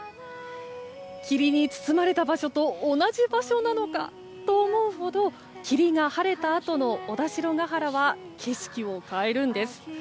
霧に包まれた場所と同じ場所なのかと思うほど霧が晴れたあとの小田代原は景色を変えるんです。